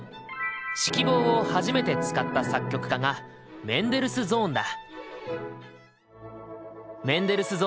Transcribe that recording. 指揮棒を初めて使った作曲家がメンデルスゾーンだ。